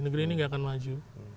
negeri ini gak akan maju